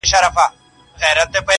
د يو وزر بې وزرو شناخت نه دی په کار~